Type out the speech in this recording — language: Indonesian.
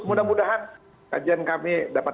mudah mudahan kajian kami dapat